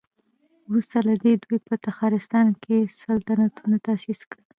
وروسته له دې دوی په تخارستان کې سلطنتونه تاسيس کړل